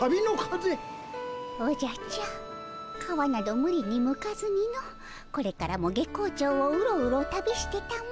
おじゃちゃー皮などむりにむかずにのこれからも月光町をウロウロ旅してたも。